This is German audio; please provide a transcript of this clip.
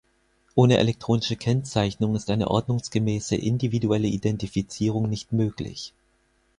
Ohne elektronische Kennzeichnung ist eine ordnungsgemäße individuelle Identifizierung nicht möglich.